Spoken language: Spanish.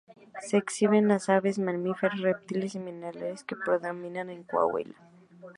Se exhiben las aves, mamíferos, reptiles y minerales que predominan en Coahuila.